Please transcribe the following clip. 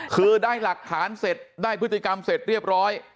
คือได้หลักฐานเสร็จได้พฤติกรรมเสร็จเรียบร้อย